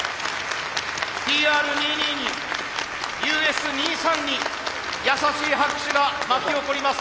ＴＲ２２にＵＳ２３．に優しい拍手が巻き起こります。